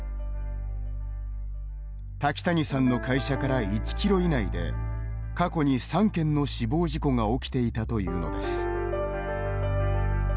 瀧谷さんの会社から１キロ以内で過去に３件の死亡事故が起きていたというのです。